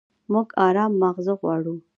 موږ ارام ماغزه غواړو.